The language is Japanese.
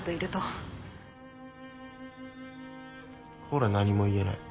ほら何も言えない。